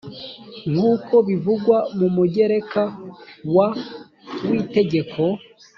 nk uko bivugwa mu mugereka wa w itegeko